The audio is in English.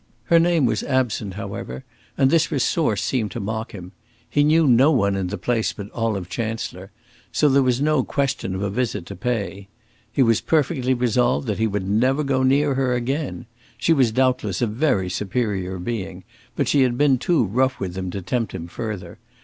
Her name was absent, however, and this resource seemed to mock him. He knew no one in the place but Olive Chancellor, so there was no question of a visit to pay. He was perfectly resolved that he would never go near her again; she was doubtless a very superior being, but she had been too rough with him to tempt him further.